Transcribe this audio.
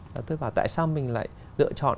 và tôi bảo tại sao mình lại lựa chọn